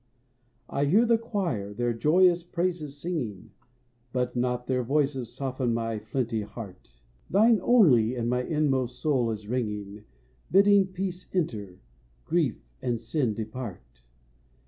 I hear the choir their joyous praises singing, But not their voices soften my flint heart; Thine only in my inmost soul is ringing, Bidding peace enter, grief and sin depart.